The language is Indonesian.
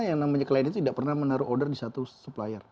sudah jadi umumnya kali lain tidak pernah menaruh order di satu supplier